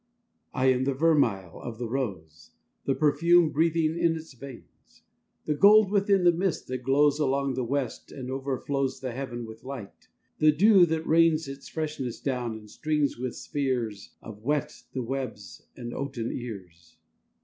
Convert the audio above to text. I am the vermeil of the rose, The perfume breathing in its veins; The gold within the mist that glows Along the west and overflows The heaven with light; the dew that rains Its freshness down and strings with spheres Of wet the webs and oaten ears.